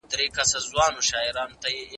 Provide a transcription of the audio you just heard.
زه اوس د یوې نوې مقالې په لوستلو یم.